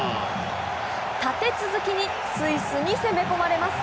立て続けにスイスに攻め込まれます。